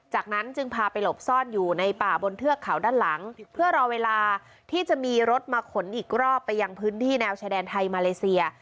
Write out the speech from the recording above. จากนั้นจึงพาไปหลบซ่อนอยู่ในป่าบนเทือกเขาด้านหลังเพื่อรอเวลาที่จะมีรถมาขนอีกรอบไปยังพื้นที่แนวชายแดนไทยมาเลเซีย